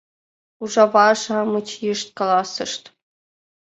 Ужава-шамыч йышт каласышт: